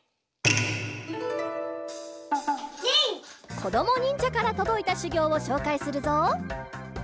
こどもにんじゃからとどいたしゅぎょうをしょうかいするぞ。